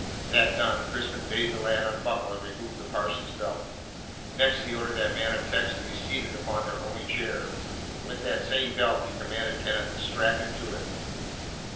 That done, Crispin bade the lad unbuckle and remove the parson's belt. Next he ordered that man of texts to be seated upon their only chair, and with that same belt he commanded Kenneth to strap him to it.